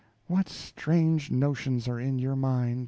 "What strange notions are in your mind?"